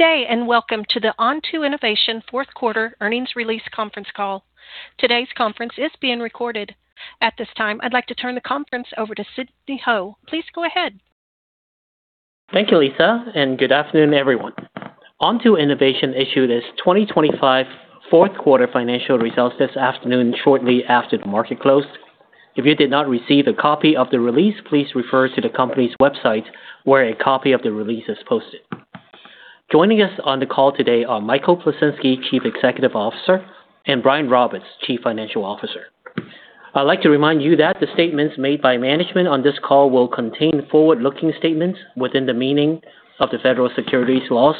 Good day, and welcome to the Onto Innovation fourth quarter earnings release conference call. Today's conference is being recorded. At this time, I'd like to turn the conference over to Sidney Ho. Please go ahead. Thank you, Lisa, and good afternoon, everyone. Onto Innovation issued its 2025 fourth quarter financial results this afternoon, shortly after the market closed. If you did not receive a copy of the release, please refer to the company's website, where a copy of the release is posted. Joining us on the call today are Michael Plisinski, Chief Executive Officer, and Brian Roberts, Chief Financial Officer. I'd like to remind you that the statements made by management on this call will contain forward-looking statements within the meaning of the federal securities laws.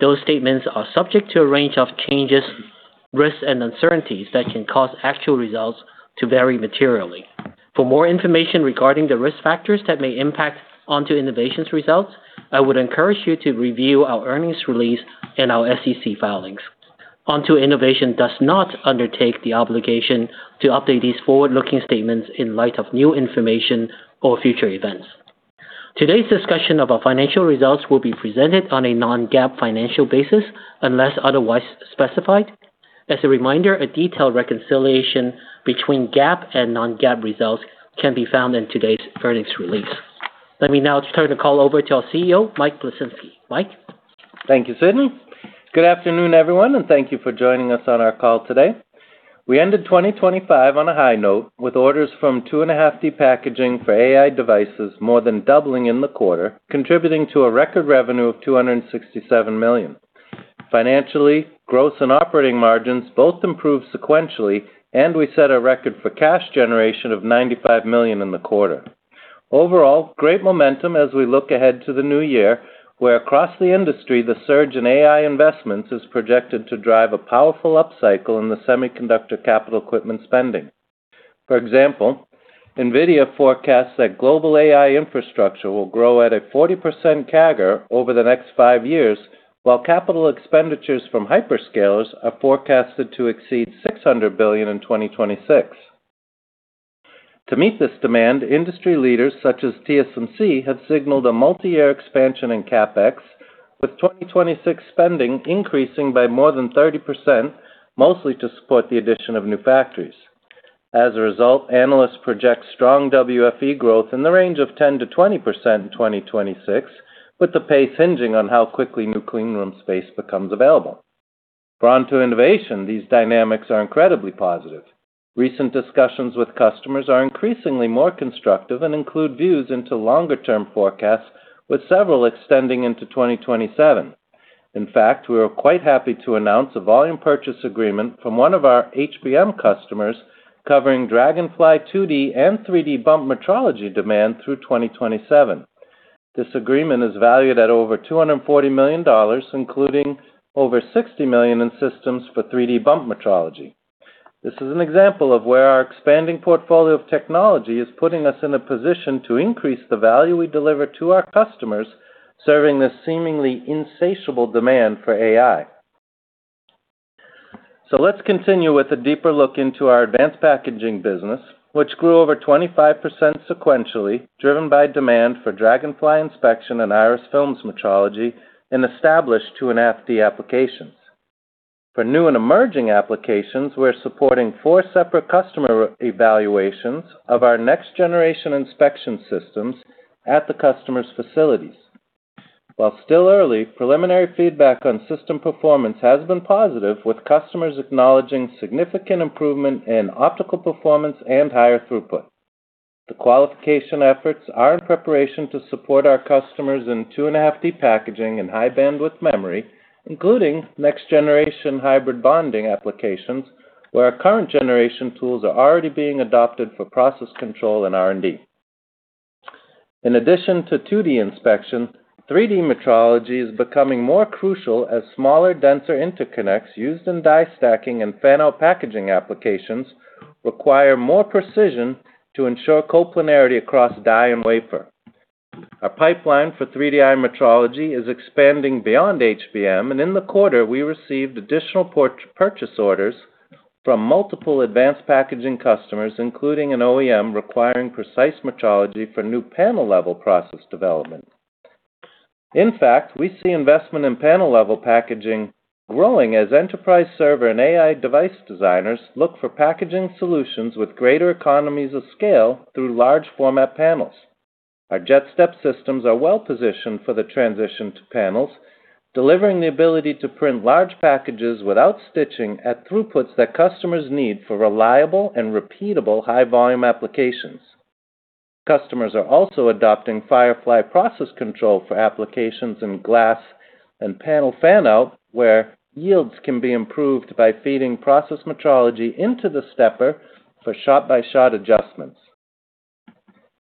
Those statements are subject to a range of changes, risks, and uncertainties that can cause actual results to vary materially. For more information regarding the risk factors that may impact Onto Innovation's results, I would encourage you to review our earnings release and our SEC filings. Onto Innovation does not undertake the obligation to update these forward-looking statements in light of new information or future events. Today's discussion of our financial results will be presented on a non-GAAP financial basis, unless otherwise specified. As a reminder, a detailed reconciliation between GAAP and non-GAAP results can be found in today's earnings release. Let me now turn the call over to our CEO, Mike Plisinski. Mike? Thank you, Sidney. Good afternoon, everyone, and thank you for joining us on our call today. We ended 2025 on a high note, with orders from 2.5D packaging for AI devices more than doubling in the quarter, contributing to a record revenue of $267 million. Financially, gross and operating margins both improved sequentially, and we set a record for cash generation of $95 million in the quarter. Overall, great momentum as we look ahead to the new year, where across the industry, the surge in AI investments is projected to drive a powerful upcycle in the semiconductor capital equipment spending. For example, NVIDIA forecasts that global AI infrastructure will grow at a 40% CAGR over the next five years, while capital expenditures from hyperscalers are forecasted to exceed $600 billion in 2026. To meet this demand, industry leaders such as TSMC have signaled a multi-year expansion in CapEx, with 2026 spending increasing by more than 30%, mostly to support the addition of new factories. As a result, analysts project strong WFE growth in the range of 10%-20% in 2026, with the pace hinging on how quickly new clean room space becomes available. For Onto Innovation, these dynamics are incredibly positive. Recent discussions with customers are increasingly more constructive and include views into longer-term forecasts, with several extending into 2027. In fact, we are quite happy to announce a volume purchase agreement from one of our HBM customers covering Dragonfly® 2D and 3D bump metrology demand through 2027. This agreement is valued at over $240 million, including over $60 million in systems for 3D bump metrology. This is an example of where our expanding portfolio of technology is putting us in a position to increase the value we deliver to our customers, serving this seemingly insatiable demand for AI. Let's continue with a deeper look into our advanced packaging business, which grew over 25% sequentially, driven by demand for Dragonfly® inspection and IRIS® films metrology in established 2.5D applications. For new and emerging applications, we're supporting four separate customer evaluations of our next-generation inspection systems at the customer's facilities. While still early, preliminary feedback on system performance has been positive, with customers acknowledging significant improvement in optical performance and higher throughput. The qualification efforts are in preparation to support our customers in 2.5D packaging and high bandwidth memory, including next-generation Hybrid bonding applications, where our current generation tools are already being adopted for process control and R&D. In addition to 2D inspection, 3D metrology is becoming more crucial as smaller, denser interconnects used in die stacking and fan-out packaging applications require more precision to ensure coplanarity across die and wafer. Our pipeline for 3D metrology is expanding beyond HBM, and in the quarter, we received additional purchase orders from multiple advanced packaging customers, including an OEM requiring precise metrology for new panel-level process development. In fact, we see investment in panel-level packaging growing as enterprise server and AI device designers look for packaging solutions with greater economies of scale through large format panels. Our JetStep® systems are well positioned for the transition to panels, delivering the ability to print large packages without stitching at throughputs that customers need for reliable and repeatable high-volume applications. Customers are also adopting Firefly process control for applications in glass and panel fan-out, where yields can be improved by feeding process metrology into the stepper for shot-by-shot adjustments.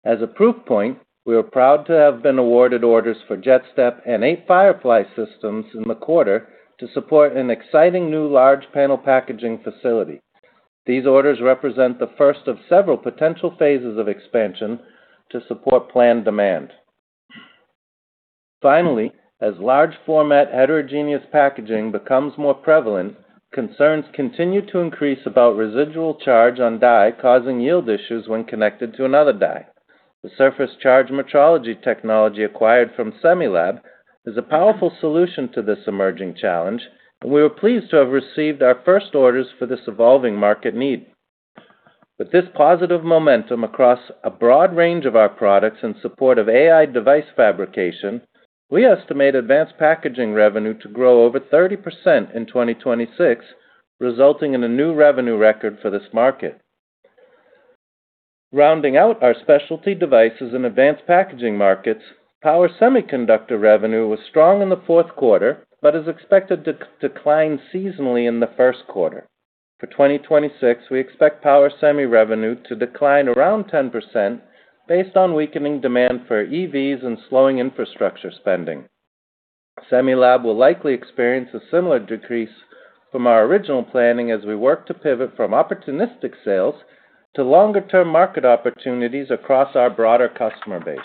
As a proof point, we are proud to have been awarded orders for JetStep® and eight Firefly systems in the quarter to support an exciting new large panel packaging facility. These orders represent the first of several potential phases of expansion to support planned demand. Finally, as large format heterogeneous packaging becomes more prevalent, concerns continue to increase about residual charge on die, causing yield issues when connected to another die... The surface charge metrology technology acquired from Semilab is a powerful solution to this emerging challenge, and we are pleased to have received our first orders for this evolving market need. With this positive momentum across a broad range of our products in support of AI device fabrication, we estimate advanced packaging revenue to grow over 30% in 2026, resulting in a new revenue record for this market. Rounding out our specialty devices in advanced packaging markets, power semiconductor revenue was strong in the fourth quarter, but is expected to decline seasonally in the first quarter. For 2026, we expect power semi revenue to decline around 10% based on weakening demand for EVs and slowing infrastructure spending. Semilab will likely experience a similar decrease from our original planning as we work to pivot from opportunistic sales to longer-term market opportunities across our broader customer base.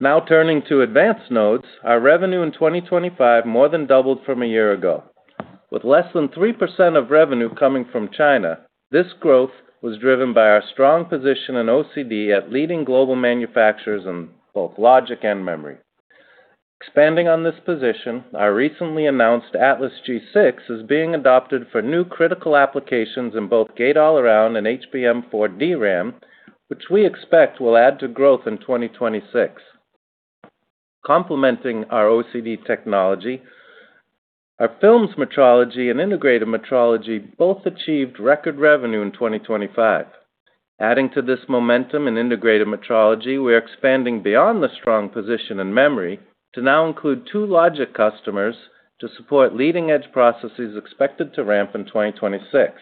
Now turning to advanced nodes, our revenue in 2025 more than doubled from a year ago. With less than 3% of revenue coming from China, this growth was driven by our strong position in OCD at leading global manufacturers in both logic and memory. Expanding on this position, our recently announced Atlas® G6 is being adopted for new critical applications in both Gate-All-Around and HBM for DRAM, which we expect will add to growth in 2026. Complementing our OCD technology, our films metrology and integrated metrology both achieved record revenue in 2025. Adding to this momentum in integrated metrology, we are expanding beyond the strong position in memory to now include two logic customers to support leading-edge processes expected to ramp in 2026.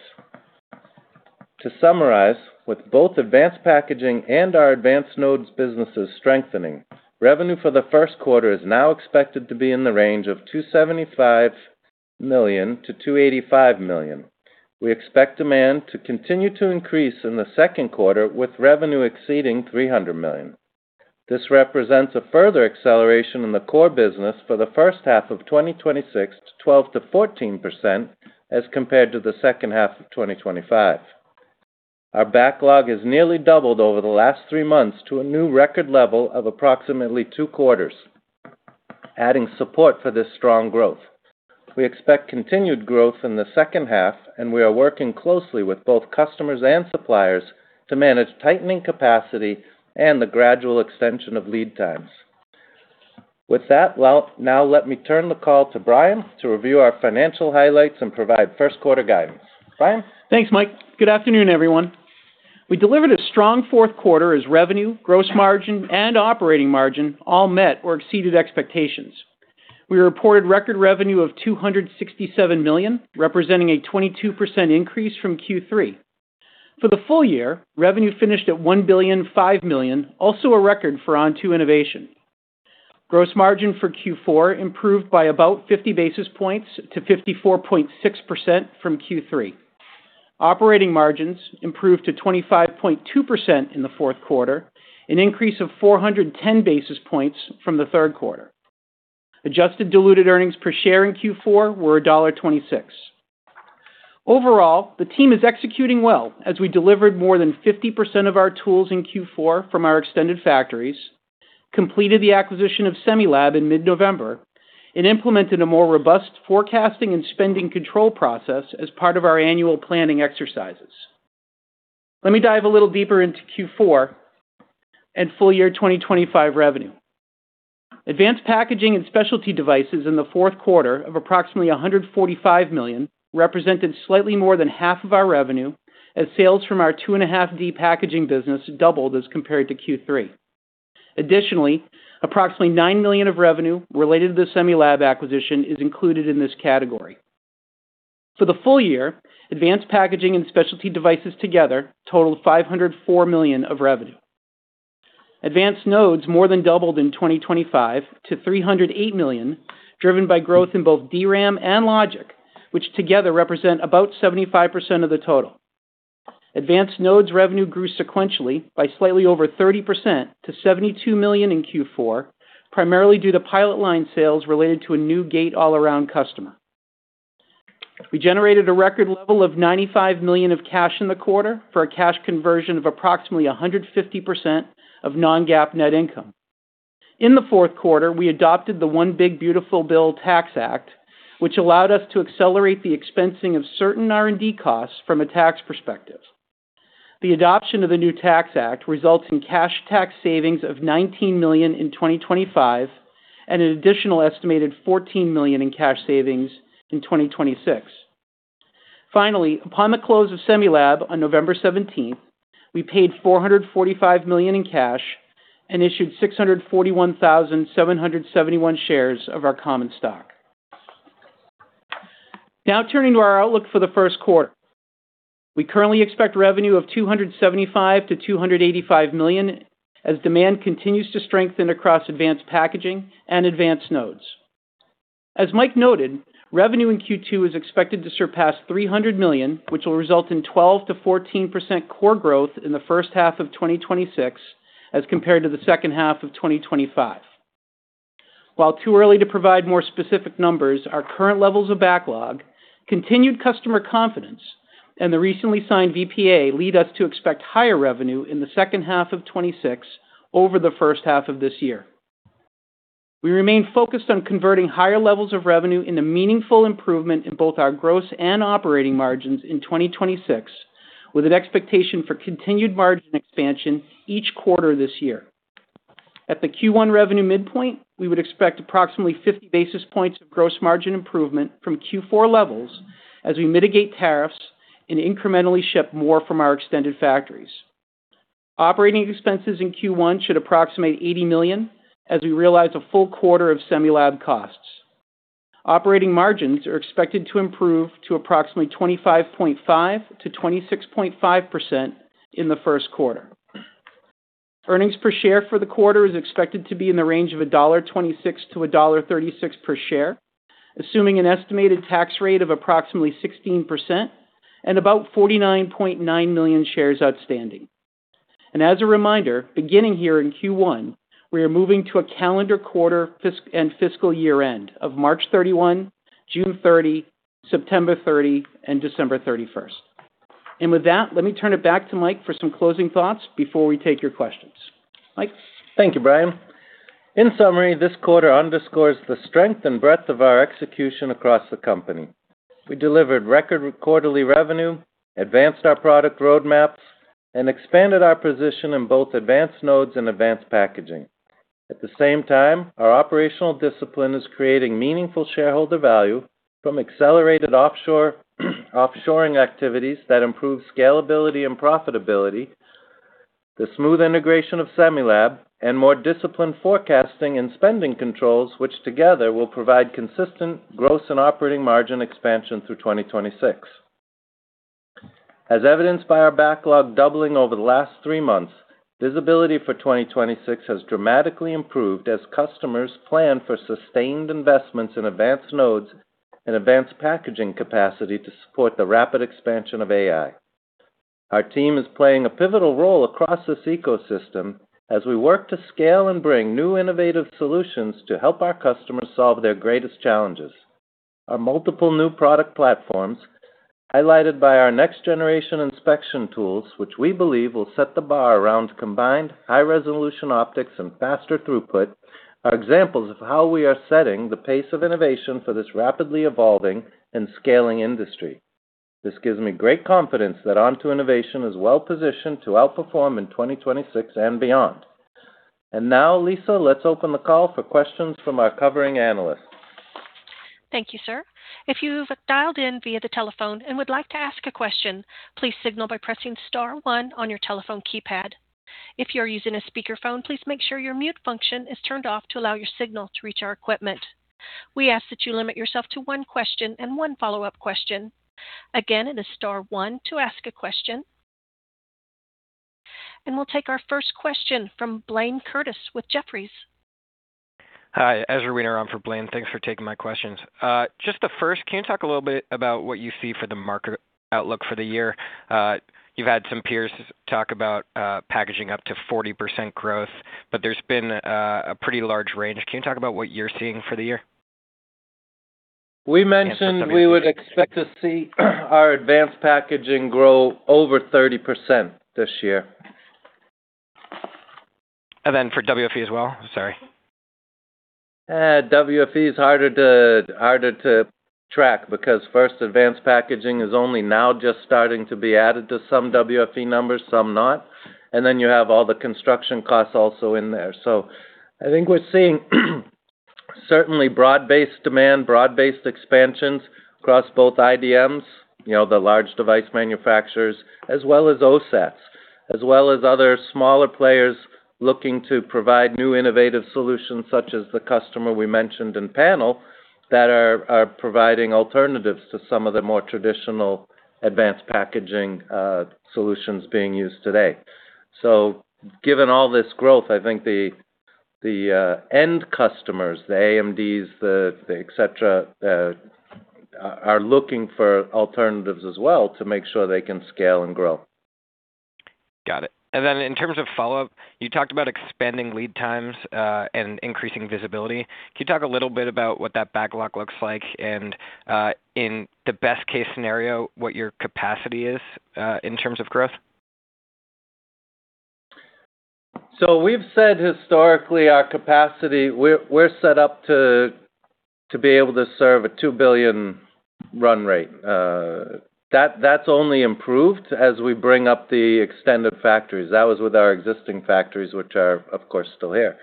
To summarize, with both advanced packaging and our advanced nodes businesses strengthening, revenue for the first quarter is now expected to be in the range of $275 million-285 million. We expect demand to continue to increase in the second quarter, with revenue exceeding $300 million. This represents a further acceleration in the core business for the first half of 2026 to 12%-14% as compared to the second half of 2025. Our backlog has nearly doubled over the last three months to a new record level of approximately two quarters, adding support for this strong growth. We expect continued growth in the second half, and we are working closely with both customers and suppliers to manage tightening capacity and the gradual extension of lead times. With that, well, now let me turn the call to Brian to review our financial highlights and provide first quarter guidance. Brian? Thanks, Mike. Good afternoon, everyone. We delivered a strong fourth quarter as revenue, gross margin, and operating margin all met or exceeded expectations. We reported record revenue of $267 million, representing a 22% increase from Q3. For the full year, revenue finished at $1,005 million, also a record for Onto Innovation. Gross margin for Q4 improved by about 50 basis points to 54.6% from Q3. Operating margins improved to 25.2% in the fourth quarter, an increase of 410 basis points from the third quarter. Adjusted diluted earnings per share in Q4 were $1.26. Overall, the team is executing well as we delivered more than 50% of our tools in Q4 from our extended factories, completed the acquisition of Semilab in mid-November, and implemented a more robust forecasting and spending control process as part of our annual planning exercises. Let me dive a little deeper into Q4 and full year 2025 revenue. Advanced packaging and specialty devices in the fourth quarter of approximately $145 million, represented slightly more than half of our revenue, as sales from our 2.5D packaging business doubled as compared to Q3. Additionally, approximately $9 million of revenue related to the Semilab acquisition is included in this category. For the full year, advanced packaging and specialty devices together totaled $504 million of revenue. Advanced nodes more than doubled in 2025 to $308 million, driven by growth in both DRAM and logic, which together represent about 75% of the total. Advanced nodes revenue grew sequentially by slightly over 30% to $72 million in Q4, primarily due to pilot line sales related to a new Gate-All-Around customer. We generated a record level of $95 million of cash in the quarter, for a cash conversion of approximately 150% of non-GAAP net income. In the fourth quarter, we adopted the One Big Beautiful Bill Tax Act, which allowed us to accelerate the expensing of certain R&D costs from a tax perspective. The adoption of the new tax act results in cash tax savings of $19 million in 2025, and an additional estimated $14 million in cash savings in 2026. Finally, upon the close of Semilab on November seventeenth, we paid $445 million in cash and issued 641,771 shares of our common stock. Now turning to our outlook for the first quarter. We currently expect revenue of $275 million-285 million, as demand continues to strengthen across advanced packaging and advanced nodes. As Mike noted, revenue in Q2 is expected to surpass $300 million, which will result in 12%-14% core growth in the first half of 2026 as compared to the second half of 2025. While too early to provide more specific numbers, our current levels of backlog, continued customer confidence, and the recently signed VPA lead us to expect higher revenue in the second half of 2026 over the first half of this year. We remain focused on converting higher levels of revenue into meaningful improvement in both our gross and operating margins in 2026, with an expectation for continued margin expansion each quarter this year. At the Q1 revenue midpoint, we would expect approximately 50 basis points of gross margin improvement from Q4 levels as we mitigate tariffs and incrementally ship more from our extended factories. Operating expenses in Q1 should approximate $80 million as we realize a full quarter of Semilab costs. Operating margins are expected to improve to approximately 25.5%-26.5% in the first quarter. Earnings per share for the quarter is expected to be in the range of $1.26-1.36 per share, assuming an estimated tax rate of approximately 16% and about 49.9 million shares outstanding. As a reminder, beginning here in Q1, we are moving to a calendar quarter and fiscal year-end of March 31, June 30, September 30, and December 31. With that, let me turn it back to Mike for some closing thoughts before we take your questions. Mike? Thank you, Brian. In summary, this quarter underscores the strength and breadth of our execution across the company. We delivered record quarterly revenue, advanced our product roadmaps, and expanded our position in both advanced nodes and advanced packaging. At the same time, our operational discipline is creating meaningful shareholder value from accelerated offshoring activities that improve scalability and profitability, the smooth integration of Semilab, and more disciplined forecasting and spending controls, which together will provide consistent gross and operating margin expansion through 2026. As evidenced by our backlog doubling over the last three months, visibility for 2026 has dramatically improved as customers plan for sustained investments in advanced nodes and advanced packaging capacity to support the rapid expansion of AI. Our team is playing a pivotal role across this ecosystem as we work to scale and bring new innovative solutions to help our customers solve their greatest challenges. Our multiple new product platforms, highlighted by our next generation inspection tools, which we believe will set the bar around combined high-resolution optics and faster throughput, are examples of how we are setting the pace of innovation for this rapidly evolving and scaling industry. This gives me great confidence that Onto Innovation is well positioned to outperform in 2026 and beyond. And now, Lisa, let's open the call for questions from our covering analysts. Thank you, sir. If you've dialed in via the telephone and would like to ask a question, please signal by pressing star one on your telephone keypad. If you are using a speakerphone, please make sure your mute function is turned off to allow your signal to reach our equipment. We ask that you limit yourself to one question and one follow-up question. Again, it is star one to ask a question. We'll take our first question from Blayne Curtis with Jefferies. Hi, Serena. I'm for Blayne. Thanks for taking my questions. Just the first, can you talk a little bit about what you see for the market outlook for the year? You've had some peers talk about, packaging up to 40% growth, but there's been, a pretty large range. Can you talk about what you're seeing for the year? We mentioned we would expect to see our advanced packaging grow over 30% this year. Then for WFE as well? Sorry. WFE is harder to track because, first, advanced packaging is only now just starting to be added to some WFE numbers, some not. And then you have all the construction costs also in there. So I think we're seeing, certainly broad-based demand, broad-based expansions across both IDMs, you know, the large device manufacturers, as well as OSATs, as well as other smaller players looking to provide new innovative solutions, such as the customer we mentioned in panel, that are providing alternatives to some of the more traditional advanced packaging solutions being used today. So given all this growth, I think the end customers, the AMDs, the et cetera, are looking for alternatives as well to make sure they can scale and grow. Got it. And then in terms of follow-up, you talked about expanding lead times and increasing visibility. Can you talk a little bit about what that backlog looks like and, in the best case scenario, what your capacity is in terms of growth? So we've said historically, our capacity, we're set up to be able to serve a $2 billion run rate. That, that's only improved as we bring up the extended factories. That was with our existing factories, which are, of course, still here.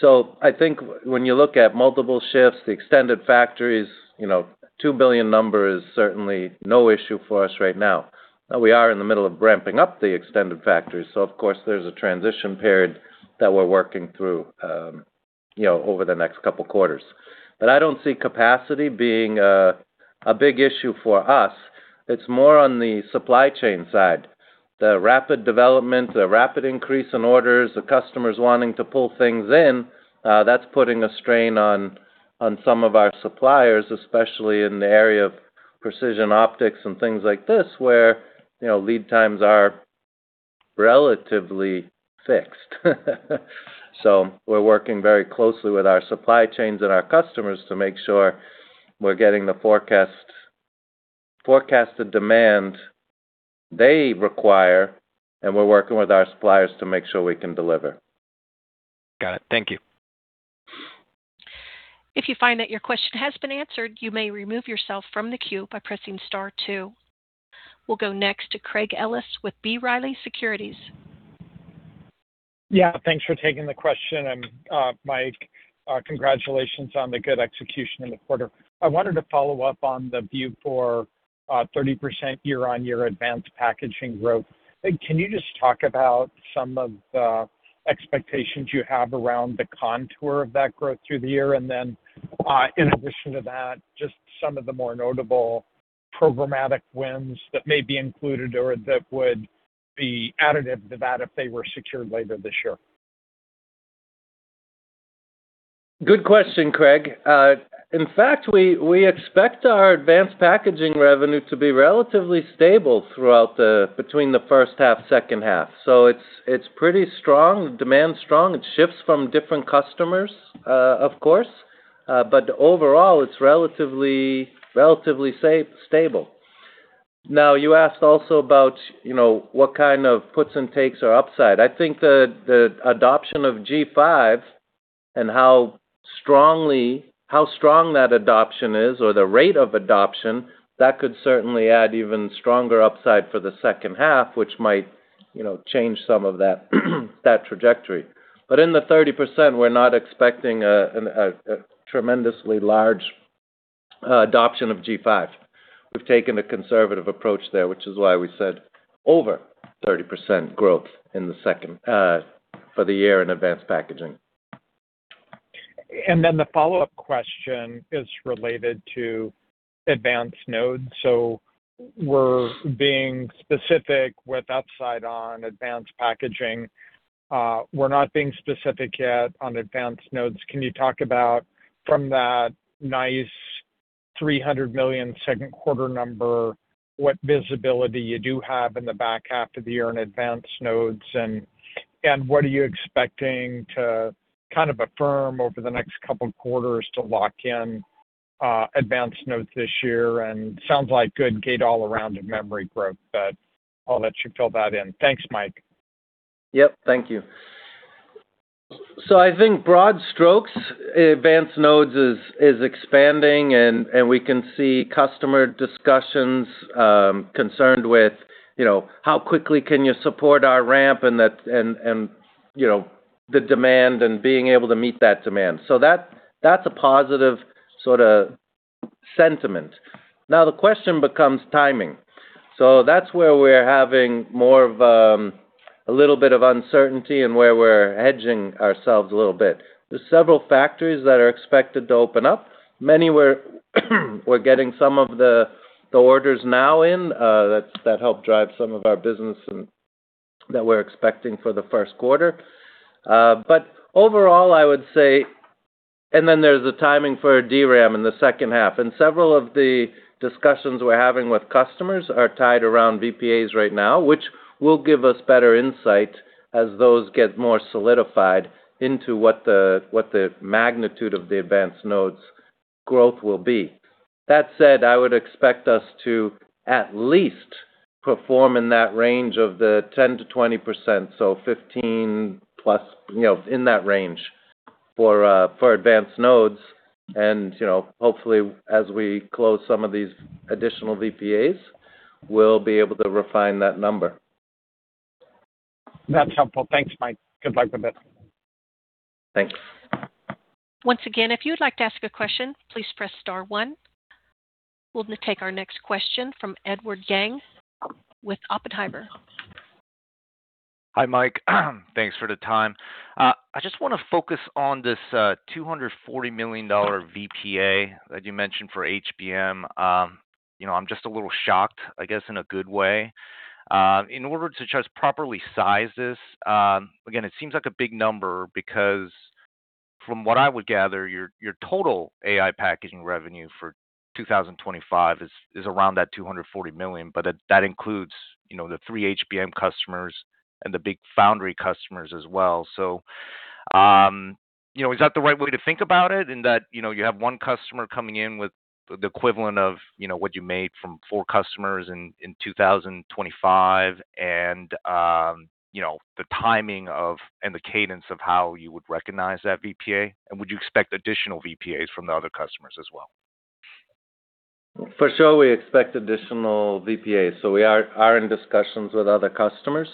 So I think when you look at multiple shifts, the extended factories, you know, $2 billion number is certainly no issue for us right now. We are in the middle of ramping up the extended factories, so of course, there's a transition period that we're working through, you know, over the next couple of quarters. But I don't see capacity being a big issue for us. It's more on the supply chain side. The rapid development, the rapid increase in orders, the customers wanting to pull things in, that's putting a strain on some of our suppliers, especially in the area of precision optics and things like this, where, you know, lead times are relatively fixed. So we're working very closely with our supply chains and our customers to make sure we're getting the forecast, forecasted demand they require, and we're working with our suppliers to make sure we can deliver. Got it. Thank you. If you find that your question has been answered, you may remove yourself from the queue by pressing star two. We'll go next to Craig Ellis with B. Riley Securities. Yeah, thanks for taking the question. And, Mike, congratulations on the good execution in the quarter. I wanted to follow up on the view for, 30% year-on-year advanced packaging growth. Can you just talk about some of the expectations you have around the contour of that growth through the year? And then, in addition to that, just some of the more notable programmatic wins that may be included or that would be additive to that if they were secured later this year. Good question, Craig. In fact, we expect our advanced packaging revenue to be relatively stable throughout the—between the first half, second half, so it's pretty strong. Demand is strong. It shifts from different customers, of course, but overall, it's relatively stable. Now, you asked also about, you know, what kind of puts and takes are upside. I think the adoption of G5 and how strong that adoption is, or the rate of adoption, that could certainly add even stronger upside for the second half, which might, you know, change some of that trajectory. But in the 30%, we're not expecting a tremendously large adoption of G5. We've taken a conservative approach there, which is why we said over 30% growth in the second half for the year in advanced packaging. And then the follow-up question is related to advanced nodes. So we're being specific with upside on advanced packaging. We're not being specific yet on advanced nodes. Can you talk about, from that nice $300 million second quarter number, what visibility you do have in the back half of the year in advanced nodes? And what are you expecting to kind of affirm over the next couple of quarters to lock in advanced nodes this year? And sounds like good Gate-All-Around in memory growth, but I'll let you fill that in. Thanks, Mike. Yep, thank you. So I think broad strokes, advanced nodes is expanding, and we can see customer discussions concerned with, you know, how quickly can you support our ramp and that, you know, the demand and being able to meet that demand. So that, that's a positive sorta sentiment. Now, the question becomes timing. So that's where we're having more of a little bit of uncertainty and where we're hedging ourselves a little bit. There are several factories that are expected to open up. Many we're getting some of the orders now in that help drive some of our business and that we're expecting for the first quarter. But overall, I would say... Then there's the timing for DRAM in the second half, and several of the discussions we're having with customers are tied around VPAs right now, which will give us better insight as those get more solidified into what the, what the magnitude of the advanced nodes growth will be. That said, I would expect us to at least perform in that range of the 10%-20%, so 15+, you know, in that range, for, for advanced nodes. You know, hopefully, as we close some of these additional VPAs, we'll be able to refine that number. That's helpful. Thanks, Mike. Good luck with it. Thanks. Once again, if you'd like to ask a question, please press star one. We'll take our next question from Edward Yang with Oppenheimer. Hi, Mike. Thanks for the time. I just want to focus on this, two hundred and forty million dollar VPA that you mentioned for HBM. You know, I'm just a little shocked, I guess, in a good way. In order to just properly size this, again, it seems like a big number because from what I would gather, your, your total AI packaging revenue for 2025 is, is around that two hundred and forty million, but that, that includes, you know, the three HBM customers and the big foundry customers as well. You know, is that the right way to think about it, in that you know, you have one customer coming in with the equivalent of what you made from four customers in 2025, and you know, the timing of and the cadence of how you would recognize that VPA? Would you expect additional VPAs from the other customers as well? For sure, we expect additional VPAs, so we are in discussions with other customers.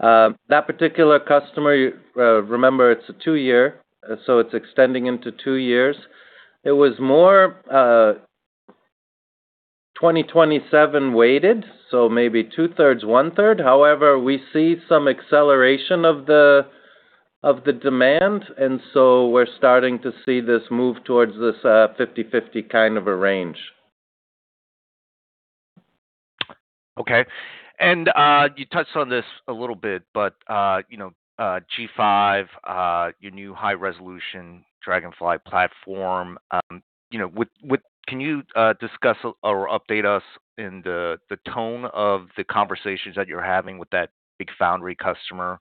That particular customer, you remember, it's a two-year, so it's extending into two years. It was more 2027 weighted, so maybe 2/3, 1/3. However, we see some acceleration of the demand, and so we're starting to see this move towards this 50/50 kind of a range. Okay. You touched on this a little bit, but you know, G5, your new high-resolution Dragonfly® platform, you know, with—can you discuss or update us in the tone of the conversations that you're having with that big foundry customer?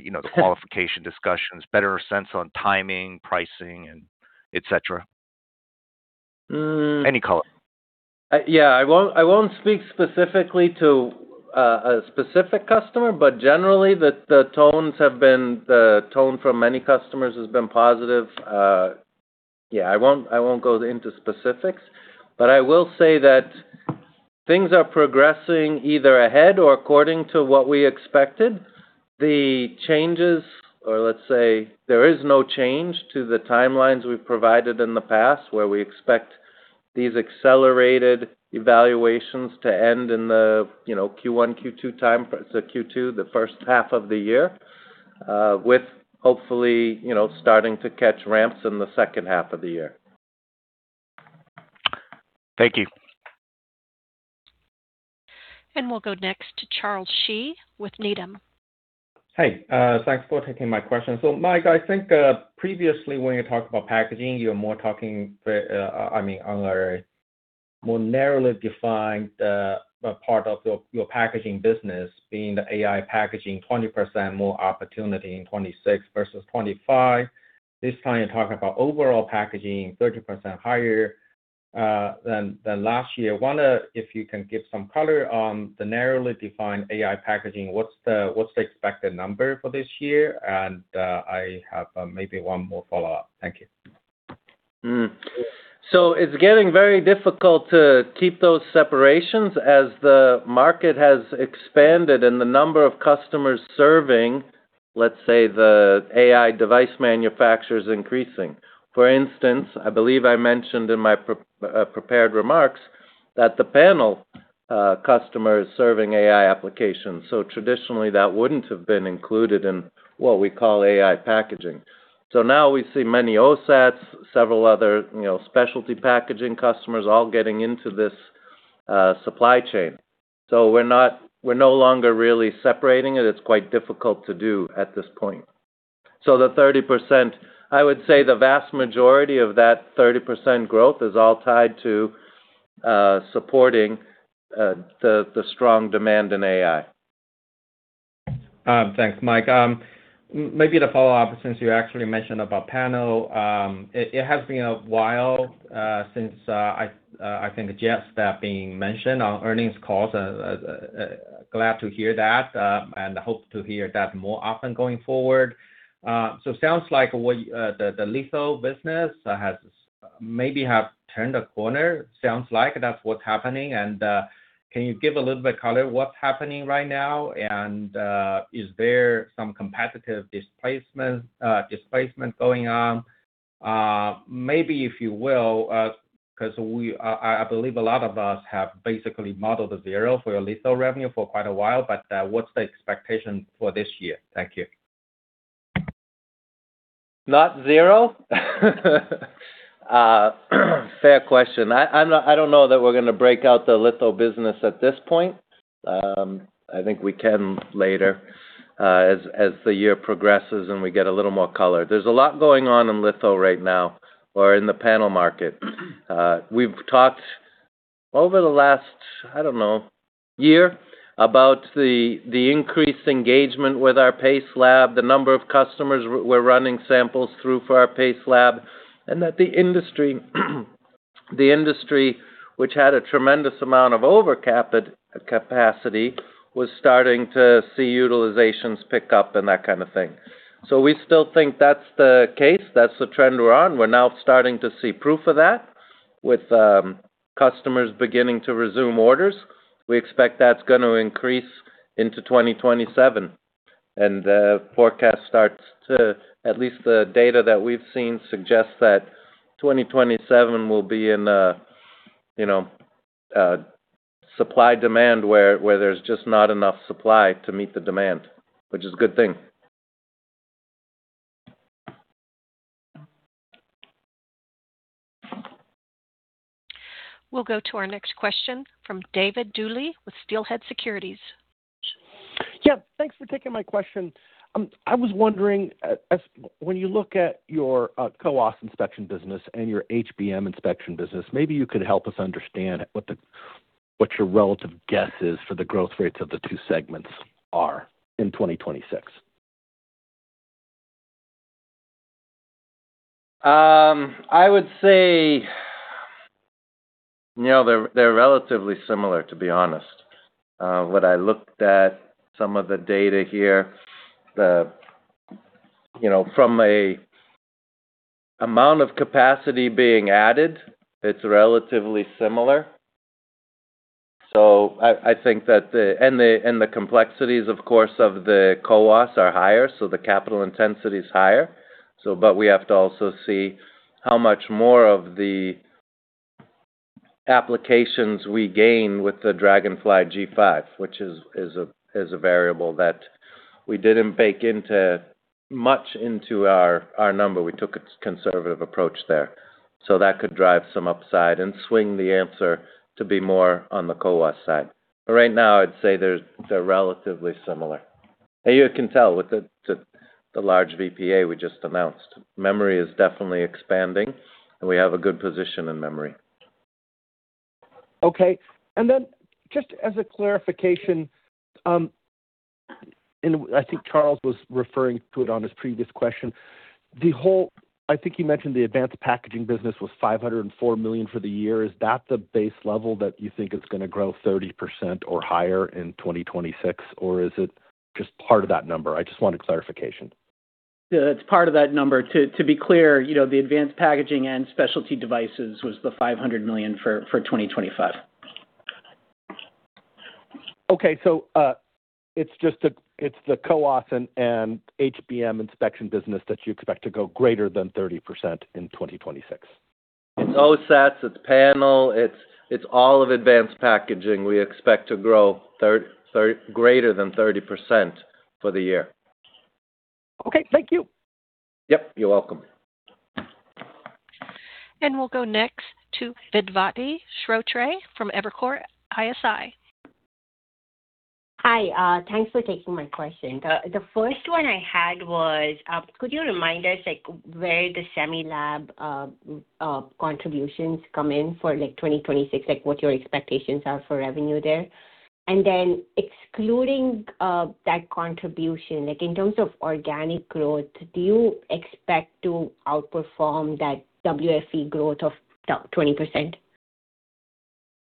You know, the qualification discussions, better sense on timing, pricing, and et cetera. Any color? Yeah, I won't speak specifically to a specific customer, but generally, the tones have been, the tone from many customers has been positive. Yeah, I won't go into specifics, but I will say that things are progressing either ahead or according to what we expected. The changes, or let's say there is no change to the timelines we've provided in the past, where we expect these accelerated evaluations to end in the, you know, Q1, Q2 time, so Q2, the first half of the year, with hopefully, you know, starting to catch ramps in the second half of the year. Thank you. We'll go next to Charles Shi with Needham. Hey, thanks for taking my question. Mike, I think previously when you talked about packaging, you were more talking, I mean, on a more narrowly defined part of your packaging business, being the AI packaging, 20% more opportunity in 2026 versus 2025. This time you're talking about overall packaging, 30% higher than last year. I wonder if you can give some color on the narrowly defined AI packaging. What's the expected number for this year? I have maybe one more follow-up. Thank you. So it's getting very difficult to keep those separations as the market has expanded and the number of customers serving, let's say, the AI device manufacturer is increasing. For instance, I believe I mentioned in my prepared remarks that the panel customer is serving AI applications, so traditionally that wouldn't have been included in what we call AI packaging. So now we see many OSATs, several other, you know, specialty packaging customers all getting into this supply chain. So we're not-- we're no longer really separating it. It's quite difficult to do at this point. So the 30%, I would say the vast majority of that 30% growth is all tied to supporting the strong demand in AI. Thanks, Mike. Maybe to follow up, since you actually mentioned about panel, it has been a while since, I think, Jeff, that being mentioned on earnings calls. Glad to hear that, and hope to hear that more often going forward. So it sounds like what the litho business has maybe have turned a corner. Sounds like that's what's happening, and can you give a little bit color on what's happening right now? And is there some competitive displacement going on? Maybe, if you will, because we—I believe a lot of us have basically modeled a zero for your litho revenue for quite a while, but what's the expectation for this year? Thank you. Not zero. Fair question. I'm not-- I don't know that we're going to break out the litho business at this point. I think we can later, as the year progresses, and we get a little more color. There's a lot going on in litho right now or in the panel market. We've talked over the last, I don't know, year about the increased engagement with our PACE Lab, the number of customers we're running samples through for our PACE Lab, and that the industry, which had a tremendous amount of overcapacity, was starting to see utilizations pick up and that kind of thing. So we still think that's the case, that's the trend we're on. We're now starting to see proof of that with customers beginning to resume orders. We expect that's going to increase into 2027, and the forecast starts to, at least the data that we've seen suggests that 2027 will be in a, you know, a supply-demand, where, where there's just not enough supply to meet the demand, which is a good thing. We'll go to our next question from David Dooley with Steelhead Securities. Yeah, thanks for taking my question. I was wondering, when you look at your CoWoS® inspection business and your HBM inspection business, maybe you could help us understand what the, what your relative guess is for the growth rates of the two segments are in 2026. I would say, you know, they're relatively similar, to be honest. When I looked at some of the data here, you know, from an amount of capacity being added, it's relatively similar. So I think that the... And the complexities, of course, of the CoWoS® are higher, so the capital intensity is higher. But we have to also see how much more of the applications we gain with the Dragonfly® G5, which is a variable that we didn't bake much into our number. We took a conservative approach there. So that could drive some upside and swing the answer to be more on the CoWoS® side. But right now, I'd say they're relatively similar. And you can tell with the large VPA we just announced. Memory is definitely expanding, and we have a good position in memory. Okay, and then just as a clarification, and I think Charles was referring to it on his previous question. The whole, I think you mentioned the advanced packaging business was $504 million for the year. Is that the base level that you think is going to grow 30% or higher in 2026, or is it just part of that number? I just wanted clarification. Yeah, it's part of that number. To be clear, you know, the advanced packaging and specialty devices was the $500 million for 2025. Okay. So, it's just the, it's theCoWoS® and HBM inspection business that you expect to go greater than 30% in 2026? It's OSATs, it's panel, it's all of advanced packaging. We expect to grow greater than 30% for the year. Okay, thank you. Yep, you're welcome. We'll go next to Vedvati Shrotre from Evercore ISI. Hi, thanks for taking my question. The first one I had was, could you remind us, like, where the Semilab contributions come in for, like, 2026, like, what your expectations are for revenue there? And then excluding that contribution, like, in terms of organic growth, do you expect to outperform that WFE growth of about 20%?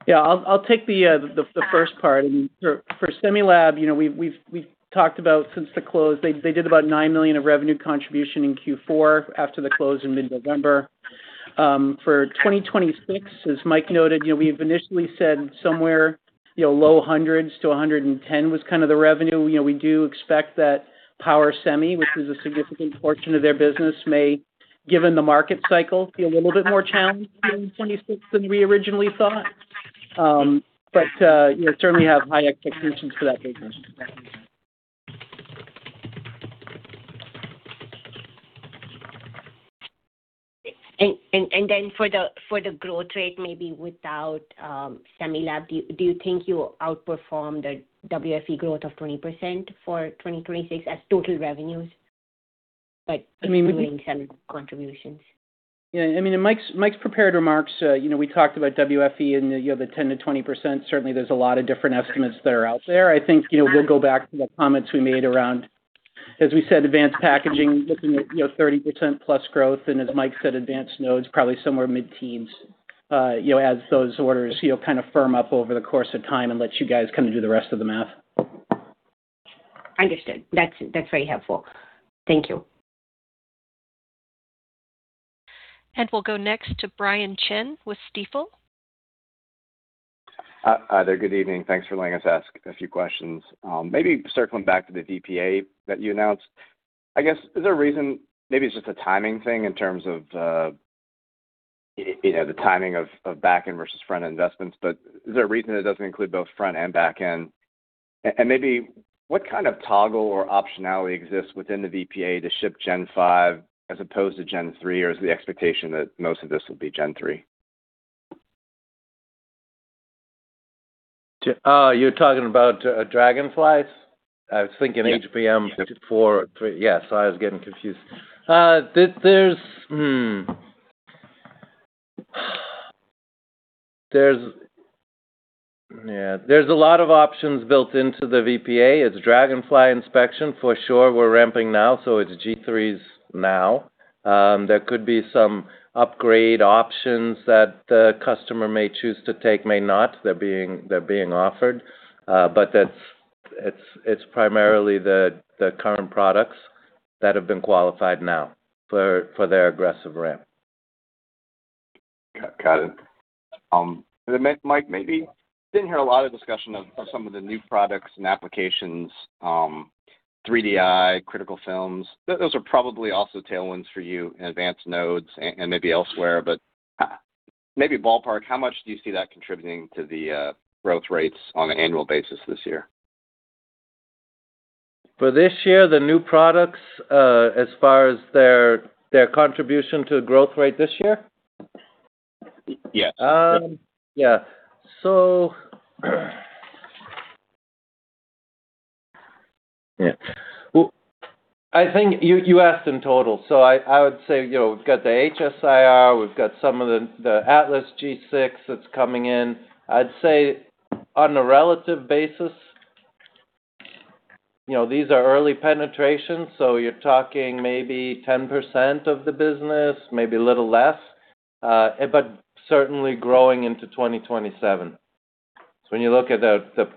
Yeah, I'll take the first part. For Semilab, you know, we've talked about since the close. They did about $9 million of revenue contribution in Q4 after the close in mid-November. For 2026, as Mike noted, you know, we've initially said somewhere, you know, low hundreds to 110 was kind of the revenue. You know, we do expect that power semi, which is a significant portion of their business, may, given the market cycle, be a little bit more challenging in 2026 than we originally thought. But you know, certainly have high expectations for that business. And then for the growth rate, maybe without Semilab, do you think you outperformed a WFE growth of 20% for 2026 as total revenues, like, including some contributions? Yeah, I mean, in Mike's, Mike's prepared remarks, you know, we talked about WFE and, you know, the 10-20%. Certainly, there's a lot of different estimates that are out there. I think, you know, we'll go back to the comments we made around... As we said, advanced packaging, looking at, you know, 30%+ growth, and as Mike said, advanced nodes, probably somewhere mid-teens, you know, as those orders, you know, kind of firm up over the course of time and let you guys kind of do the rest of the math. Understood. That's very helpful. Thank you. We'll go next to Brian Chin with Stifel. Hi there. Good evening. Thanks for letting us ask a few questions. Maybe circling back to the VPA that you announced. I guess, is there a reason, maybe it's just a timing thing in terms of, you know, the timing of back-end versus front-end investments, but is there a reason it doesn't include both front-end and back-end? And maybe what kind of toggle or optionality exists within the VPA to ship Gen 5 as opposed to Gen 3, or is the expectation that most of this will be Gen 3? You're talking about Dragonflies? Yeah. I was thinking HBM-4, 3. Yeah, so I was getting confused. There’s a lot of options built into the VPA. It’s Dragonfly® inspection for sure. We’re ramping now, so it’s G3s now. There could be some upgrade options that the customer may choose to take, may not. They’re being offered, but it’s primarily the current products that have been qualified now for their aggressive ramp. Got it. And then, Mike, maybe didn't hear a lot of discussion of some of the new products and applications, 3D metrology, critical films. Those are probably also tailwinds for you in advanced nodes and maybe elsewhere, but maybe ballpark, how much do you see that contributing to the growth rates on an annual basis this year? For this year, the new products, as far as their contribution to growth rate this year? Yeah. Yeah. So, yeah. Well, I think you asked in total. So I would say, you know, we've got the HSIR, we've got some of the Atlas® G6 that's coming in. I'd say on a relative basis, you know, these are early penetrations, so you're talking maybe 10% of the business, maybe a little less, but certainly growing into 2027. So when you look at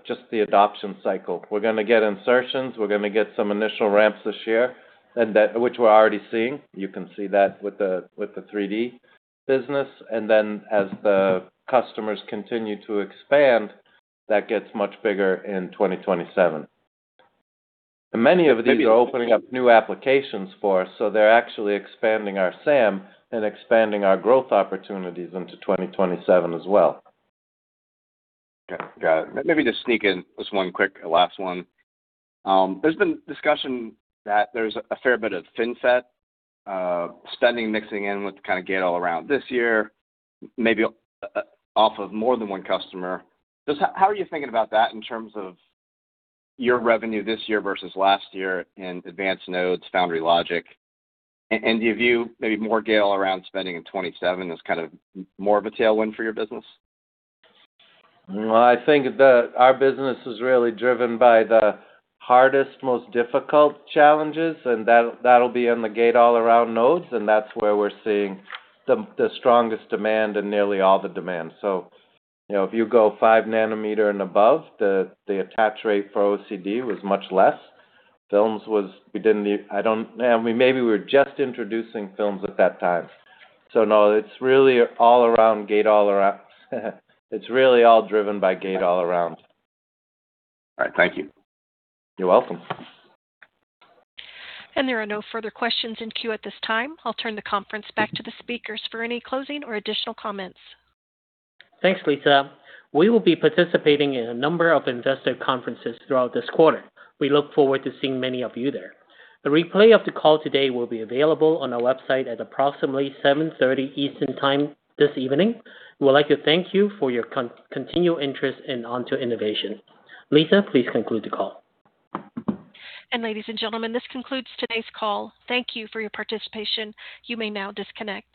just the adoption cycle, we're going to get insertions, we're going to get some initial ramps this year, and that, which we're already seeing. You can see that with the 3D business. And then as the customers continue to expand, that gets much bigger in 2027. And many of these are opening up new applications for us, so they're actually expanding our SAM and expanding our growth opportunities into 2027 as well. Okay, got it. Maybe just sneak in this one quick, last one. There's been discussion that there's a fair bit of FinFET spending mixing in with the kind of Gate-All-Around this year, maybe, off of more than one customer. Just how, how are you thinking about that in terms of your revenue this year versus last year in advanced nodes, foundry logic? And, do you view maybe more Gate-All-Around spending in 2027 as kind of more of a tailwind for your business? Well, I think that our business is really driven by the hardest, most difficult challenges, and that'll, that'll be on the Gate-All-Around nodes, and that's where we're seeing the, the strongest demand and nearly all the demand. So, you know, if you go 5 nanometer and above, the, the attach rate for OCD was much less. Films was, we didn't need—I don't—And we maybe we were just introducing films at that time. So no, it's really all around, Gate-All-Around. It's really all driven by Gate-All-Around. All right. Thank you. You're welcome. There are no further questions in queue at this time. I'll turn the conference back to the speakers for any closing or additional comments. Thanks, Lisa. We will be participating in a number of investor conferences throughout this quarter. We look forward to seeing many of you there. The replay of the call today will be available on our website at approximately 7:30 P.M. Eastern Time this evening. We would like to thank you for your continual interest in Onto Innovation. Lisa, please conclude the call. Ladies and gentlemen, this concludes today's call. Thank you for your participation. You may now disconnect.